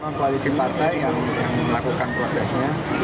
koalisi partai yang melakukan prosesnya